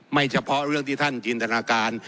เฉพาะเรื่องที่ท่านจินตนาการ